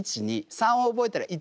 ３を覚えたら１２３。